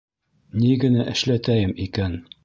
Ни генә эшләтәйем икән?!